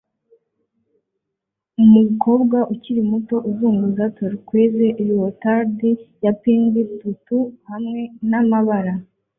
Umukobwa ukiri muto uzunguza turquiose leotard na pink tutu hamwe namababa